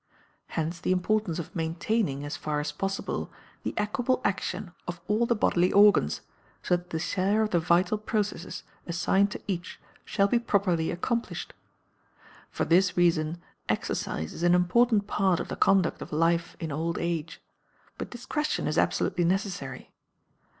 Hence the importance of maintaining, as far as possible, the equable action of all the bodily organs, so that the share of the vital processes assigned to each shall be properly accomplished. For this reason exercise is an important part of the conduct of life in old age; but discretion is absolutely necessary.